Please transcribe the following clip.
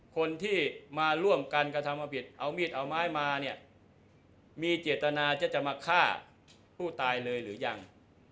คนที่มาร่วมกันกระทำความผิดเอามีดเอาไม้มาเนี่ยมีเจตนาจะมาฆ่าผู้ตายเลยหรือยัง